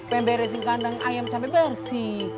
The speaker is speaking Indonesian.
pengen beresin kandang ayam sampe bersih